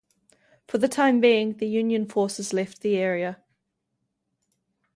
For the time being, the Union forces left the area.